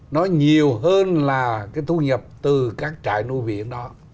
nói nhiều hơn là cái thu nhập từ các trại nuôi biển đó